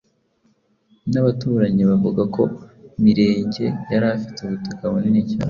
n’abaturanyi bavuga ko Mirenge yari afite ubutaka bunini cyane,